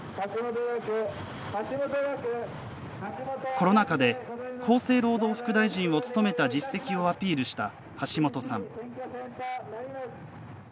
コロナ禍で厚生労働副大臣を務めた実績をアピールした橋本さん。